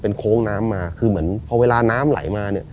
โค้งน้ำมาคือเหมือนพอเวลาน้ำไหลมาเนี่ย